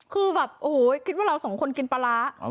คือแบบโอ้โหคิดว่าเราสองคนกินปลาร้า